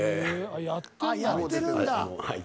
［あっやってるんだ］